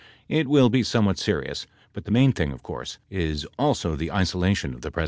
It will be somewhat serious but the main thing, of course is also the isolation of the President.